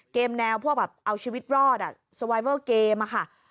แนวพวกแบบเอาชีวิตรอดสไวเวอร์เกมอะค่ะ